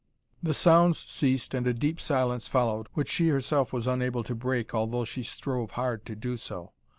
The sounds ceased and a deep silence followed, which she herself was unable to break although she strove hard to do so.